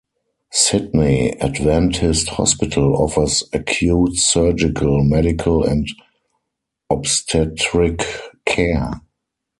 Sydney Adventist Hospital offers acute surgical, medical and obstetric care.